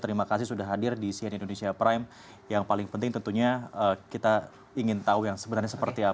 terima kasih sudah hadir di sian indonesia prime yang paling penting tentunya kita ingin tahu yang sebenarnya seperti apa